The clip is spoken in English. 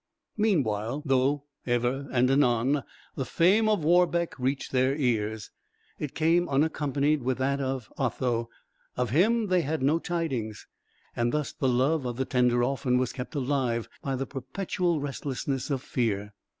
Meanwhile, though, ever and anon, the fame of Warbeck reached their ears, it came unaccompanied with that of Otho, of him they had no tidings: and thus the love of the tender orphan was kept alive by the perpetual restlessness of fear.